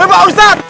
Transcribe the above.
eh pak ustad